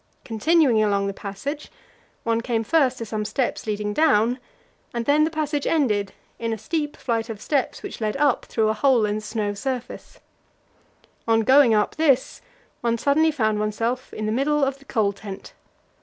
Continuing along the passage, one came first to some steps leading down, and then the passage ended in a steep flight of steps which led up through a hole in the snow surface. On going up this one suddenly found oneself in the middle of the coal tent.